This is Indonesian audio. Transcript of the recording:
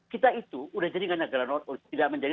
kita itu sudah jadi